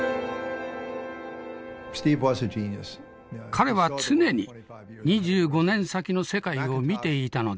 彼は常に２５年先の世界を見ていたのです。